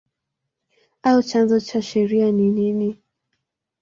au chanzo cha sheria ni nini?